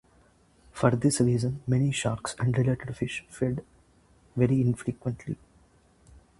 For this reason, many sharks and related fish feed very infrequently.